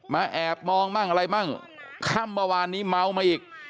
แอบมองมั่งอะไรมั่งค่ำเมื่อวานนี้เมามาอีก